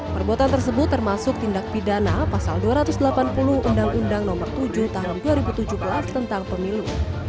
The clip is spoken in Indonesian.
perbuatan tersebut termasuk tindak pidana pasal dua ratus delapan puluh undang undang nomor tujuh tahun dua ribu tujuh belas tentang pemilu